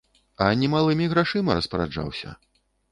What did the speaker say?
А немалымі грашыма распараджаўся.